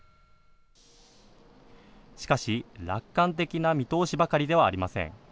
しかし楽観的な見通しばかりではありません。